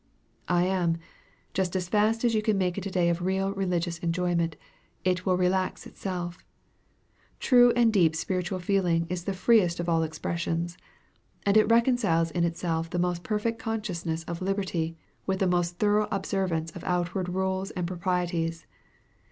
"I am. Just as fast as you can make it a day of real religious enjoyment, it will relax itself. True and deep spiritual feeling is the freest of all experiences. And it reconciles in itself the most perfect consciousness of liberty with the most thorough observance of outward rules and proprieties.